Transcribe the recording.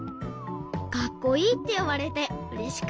かっこいいっていわれてうれしかった。